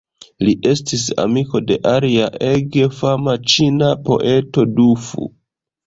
Li estis amiko de alia ege fama ĉina poeto, Du Fu.